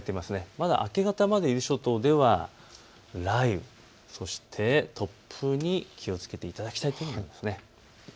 まだ明け方まで伊豆諸島では雷雨、そして突風に気をつけていただきたいと思います。